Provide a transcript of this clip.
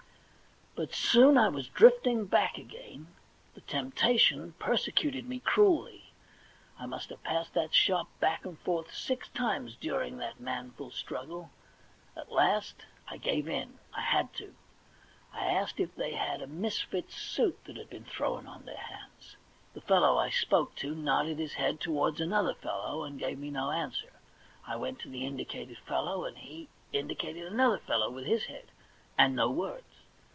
But soon I was drifting back again. The temptation persecuted me cruelly. I must have passed that shop back and forth six times during that manful struggle. At last I gave in ; I had to. I asked if they had a misfit suit that had been thrown on their hands. The fellow I spoke to nodded his head towards another fellow, and gave me no answer. I went to the indicated fellow, and he indicated another fellow with his head, and no words.